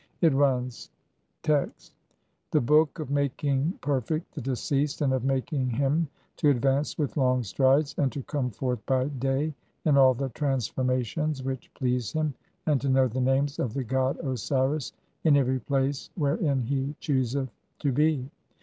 It runs :— Text : The Book of making perfect the deceased and of making him to advance with long strides, and to come forth by day in all the transformations which please him, and to know the names of the god osiris IN EVERY PLACE WHEREIN HE CHOOSETH TO BE.